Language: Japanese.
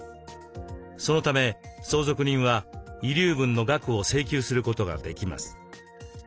そのため相続人は遺留分の額を請求することができます。